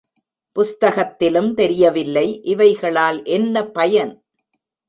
புஸ்தகத்திலும் தெரியவில்லை இவைகளால் என்ன பயன்?